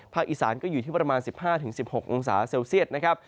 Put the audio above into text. อีสานก็อยู่ที่ประมาณ๑๕๑๖องศาเซลเซียตนะครับ